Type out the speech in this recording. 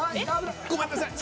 ごめんなさい。